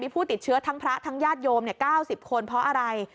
มีผู้ติดเชื้อทั้งพระทั้งญาติโยมเนี้ยเก้าสิบคนเพราะอะไร